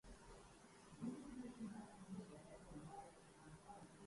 پیشوا لینے مجھے گھر سے بیاباں نکلا